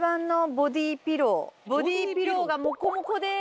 ボディーピローがモコモコです。